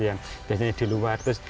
yang biasanya di luar terus